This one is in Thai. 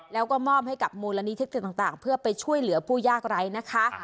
แล้วก็มอบให้กับมูลนิธิต่างเพื่อไปช่วยเหลือผู้ยากไร้นะคะ